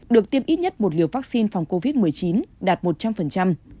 được tiêm ít nhất một liều vaccine phòng covid một mươi chín đạt một trăm linh